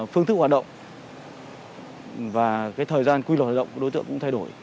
phương thức hoạt động và thời gian quy luật hoạt động của đối tượng cũng thay đổi